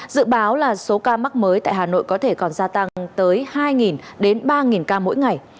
dự báo là số ca mắc mới tại hà nội có thể còn gia tăng tới hai đến ba ca mỗi ngày